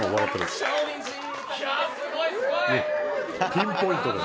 ピンポイントで。